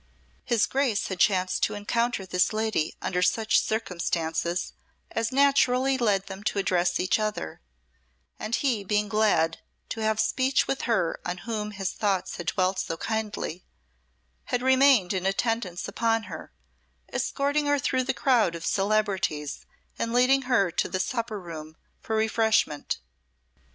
His Grace had chanced to encounter this lady under such circumstances as naturally led them to address each other, and he being glad to have speech with her on whom his thoughts had dwelt so kindly, had remained in attendance upon her, escorting her through the crowd of celebrities and leading her to the supper room for refreshment.